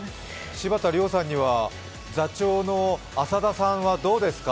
柴田嶺さんには座長の浅田さんはどうですか？